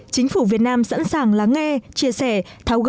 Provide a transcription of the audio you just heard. chính phủ việt nam sẵn sàng lắng nghe chia sẻ tháo gỡ